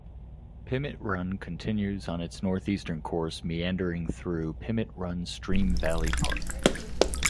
Pimmit Run continues on its northeastern course meandering through Pimmit Run Stream Valley Park.